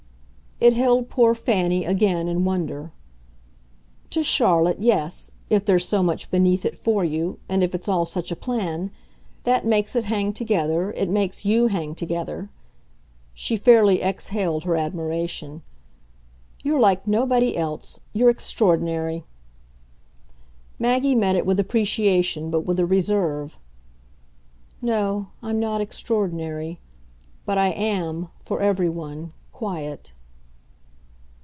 It held poor Fanny again in wonder. "To Charlotte yes: if there's so much beneath it, for you, and if it's all such a plan. That makes it hang together it makes YOU hang together." She fairly exhaled her admiration. "You're like nobody else you're extraordinary." Maggie met it with appreciation, but with a reserve. "No, I'm not extraordinary but I AM, for every one, quiet."